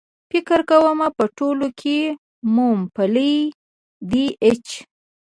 فکر کوم په ټولو کې مومپلي دي.H